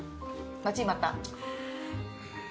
待ちに待った。